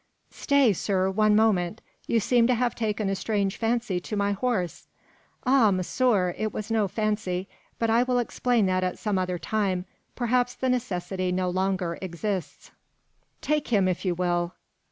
"Stay, sir, one moment! You seem to have taken a strange fancy to my horse?" "Ah! monsieur, it was no fancy; but I will explain that at some other time. Perhaps the necessity no longer exists." "Take him, if you will.